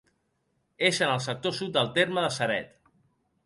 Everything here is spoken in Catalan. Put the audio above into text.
És en el sector sud del terme de Ceret.